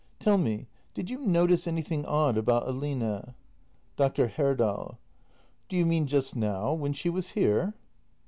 ] Tell me — did you notice any thing odd about x\line ? Dr. Herdal. Do you mean just now, when she was here?